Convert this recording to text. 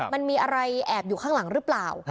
มันมีอะไรแอบอยู่ข้างหลังหรือเปล่า